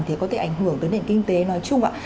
thì có thể ảnh hưởng đến nền kinh tế nói chung